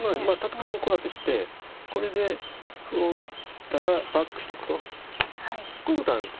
仮にこうだとしてこれで歩を打ったらバックしとくとこういうことあるんですよ。